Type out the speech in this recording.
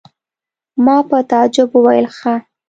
ما په تعجب وویل: ښه!